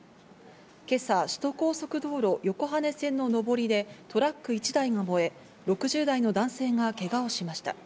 今朝、首都高速道路・横羽線の上りでトラック１台が燃え、６０代の男性がけがをしました。